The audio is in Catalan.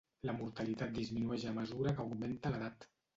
La mortalitat disminueix a mesura que augmenta l'edat.